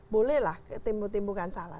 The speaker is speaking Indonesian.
bolehlah timbukan timbukan salah